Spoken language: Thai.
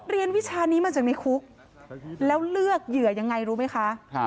วิชานี้มาจากในคุกแล้วเลือกเหยื่อยังไงรู้ไหมคะ